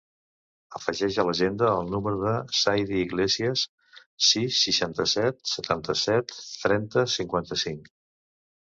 Afegeix a l'agenda el número del Zaid Iglesia: sis, seixanta-set, setanta-set, trenta, cinquanta-cinc.